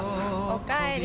おかえり。